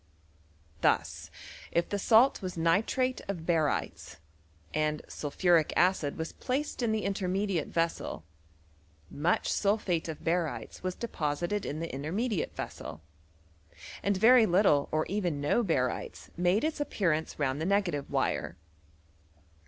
Thus, if the salt was nitrate of barytes, and sulphuric acid was placed in the intermediate ves sel, much sulphate of barytes was deposited in the intermediate vessel, and very little or even no bary tes made its appearance round the negative wire.